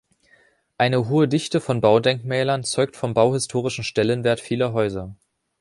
Eine hohe Dichte von Baudenkmälern zeugt vom bauhistorischen Stellenwert vieler Häuser.